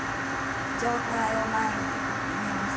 上体を前に緩めます。